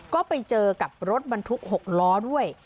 ก็ไปเจอกับรถบรรทุก๖ล้อด้วย